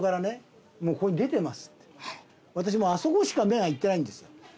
私もうあそこしか目がいってないんですよ。